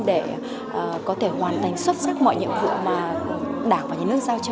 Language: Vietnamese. để có thể hoàn thành xuất sắc mọi nhiệm vụ mà đảng và nhà nước giao cho